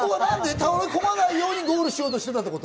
倒れ込まないようにゴールしようとしてたってこと？